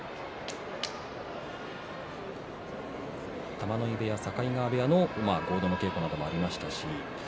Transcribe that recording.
玉ノ井部屋、境川部屋の合同稽古というのもありました。